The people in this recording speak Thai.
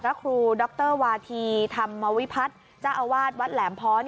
พระครูดรวาธีธรรมวิพัฒน์เจ้าอาวาสวัดแหลมพ้อน